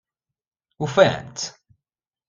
Ufan-tt?